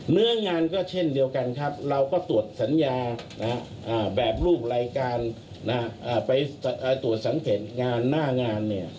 เนื้องานก็เช่นเดียวกันครับเราก็ตรวจสัญญาแบบรูปรายการไปตรวจสังเกตงานหน้างาน